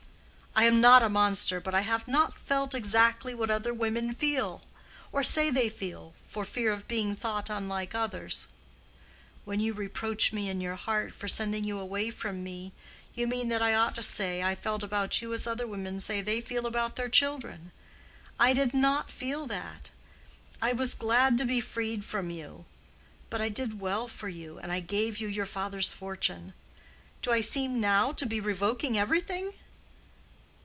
I am not a monster, but I have not felt exactly what other women feel—or say they feel, for fear of being thought unlike others. When you reproach me in your heart for sending you away from me, you mean that I ought to say I felt about you as other women say they feel about their children. I did not feel that. I was glad to be freed from you. But I did well for you, and I gave you your father's fortune. Do I seem now to be revoking everything?